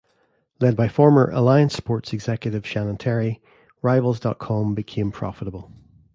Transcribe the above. Led by former AllianceSports executive Shannon Terry, Rivals dot com became profitable.